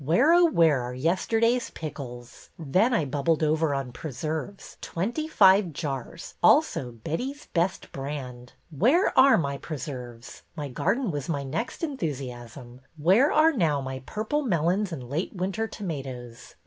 Where, oh, where, are yesterday's pickles? Then I bubbled over on preserves. Twenty five jars, also Betty's Best Brand. Where are my preserves? My garden was my next enthu siasm. Where are now my purple melons and late winter tomatoes